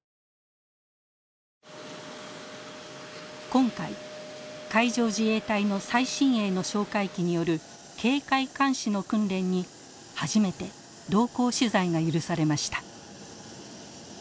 今回海上自衛隊の最新鋭の哨戒機による警戒監視の訓練に初めて同行取材が許されました。